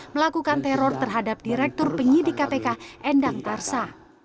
melakukan teror terhadap direktur penyidik kpk endang tarsa